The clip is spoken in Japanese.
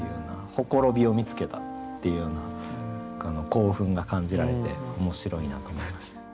綻びを見つけたっていうような興奮が感じられて面白いなと思いました。